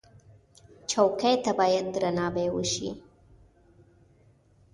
چوکۍ ته باید درناوی وشي.